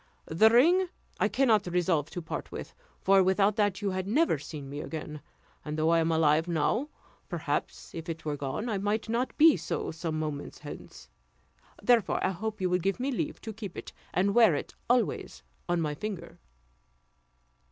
The ring I cannot resolve to part with; for without that you had never seen me again; and though I am alive now, perhaps, if it were gone, I might not be so some moments hence; therefore, I hope you will give me leave to keep it, and to wear it always on my finger."